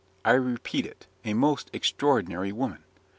I repeat it a most extraordinary woman."